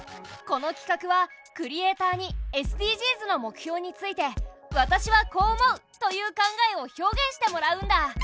この企画はクリエーターにＳＤＧｓの目標について「私はこう思う！」という考えを表現してもらうんだ。